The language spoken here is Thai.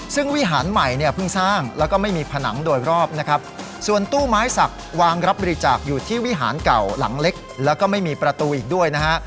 ซึ่งวิหารใหม่เนี่ยเพิ่งสร้างแล้วก็ไม่มีผนังโดยรอบนะครับส่วนตู้ไม้สักวางรับบริจาคอยู่ที่วิหารเก่าหลังเล็กแล้วก็ไม่มีประตูอีกด้วยนะฮะ